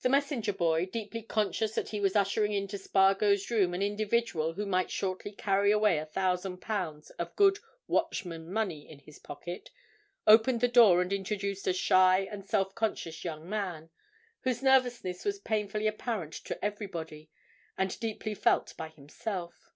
The messenger boy, deeply conscious that he was ushering into Spargo's room an individual who might shortly carry away a thousand pounds of good Watchman money in his pocket, opened the door and introduced a shy and self conscious young man, whose nervousness was painfully apparent to everybody and deeply felt by himself.